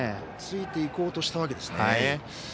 ついていこうとしたわけですね。